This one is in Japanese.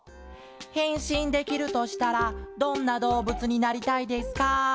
「へんしんできるとしたらどんなどうぶつになりたいですか？」。